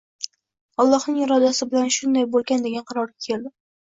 Ollohning irodasi bilan shunday bo`lgan degan qarorga keldim